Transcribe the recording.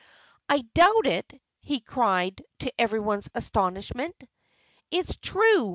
"I doubt it!" he cried, to everyone's astonishment. "It's true!"